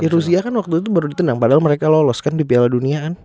rusia kan waktu itu baru ditendang padahal mereka lolos kan di piala duniaan